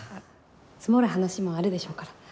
積もる話もあるでしょうから。